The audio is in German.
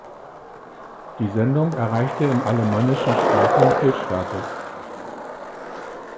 Die Sendung erreichte im alemannischen Sprachraum Kultstatus.